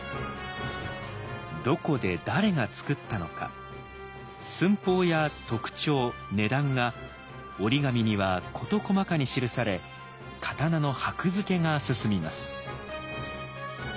どこで誰が作ったのか寸法や特徴値段が折紙には事細かに記され刀の箔付けが進みます。